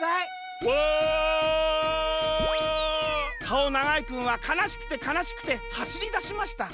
かおながいくんはかなしくてかなしくてはしりだしました。